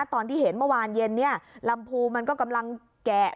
ตอนที่เห็นเมื่อวานเย็นเนี่ยลำพูมันก็กำลังแกะ